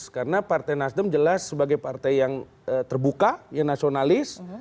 karena partai nasdem jelas sebagai partai yang terbuka yang nasionalis